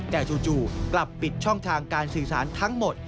แต่จู่กลับปิดช่องทางการสื่อสารทั้งหมด